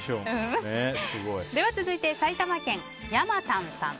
続いて、埼玉県の方。